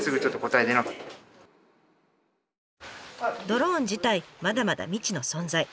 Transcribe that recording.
ドローン自体まだまだ未知の存在。